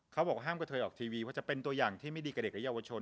เขาบอกห้ามกระเทยออกทีวีว่าจะเป็นตัวอย่างที่ไม่ดีกับเด็กและเยาวชน